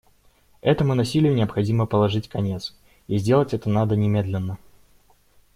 Этому насилию необходимо положить конец, и сделать это надо немедленно.